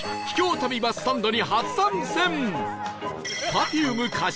旅バスサンドに初参戦！